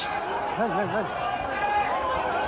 何、何、何？